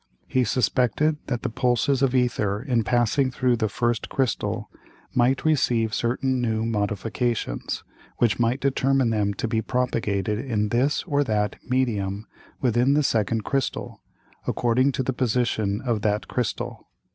He suspected that the Pulses of Æther in passing through the first Crystal might receive certain new Modifications, which might determine them to be propagated in this or that Medium within the second Crystal, according to the Position of that Crystal.